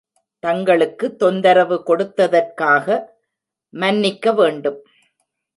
தங்களுக்கு தொந்தரவு கொடுத்தற்காக மன்னிக்க வேண்டும்.